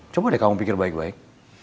coba deh kamu pikir baik baik